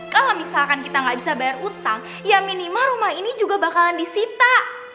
kalau misalkan kita nggak bisa bayar utang ya minimal rumah ini juga bakalan disita